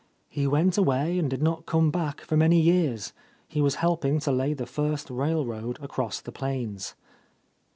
He went away and did not come back for many years; he was helping to lay the first railroad across the plains.